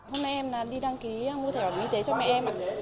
hôm nay em đi đăng ký mua thẻ bảo hiểm y tế cho mẹ em